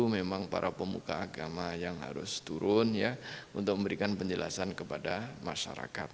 memang para pemuka agama yang harus turun untuk memberikan penjelasan kepada masyarakat